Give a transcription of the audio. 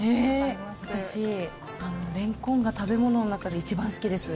私蓮根が食べ物の中で一番好きです。